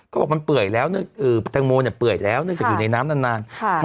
ก็บอกทางโมเนี่ยเปื่อยแล้วอยู่ในน้ำนาน